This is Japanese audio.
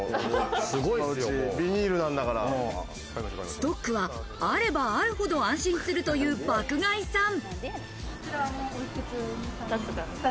爆買いさん、これ持ち手、ストックはあればあるほど安心するという爆買いさん。